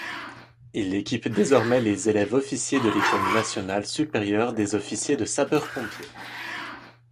Il équipe désormais les élèves-officiers de l’École nationale supérieure des officiers de sapeurs-pompiers.